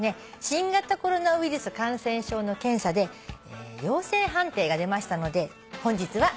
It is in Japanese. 新型コロナウイルス感染症の検査で陽性判定が出ましたので本日は自宅療養となりました。